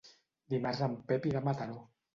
Dimarts en Pep irà a Mataró.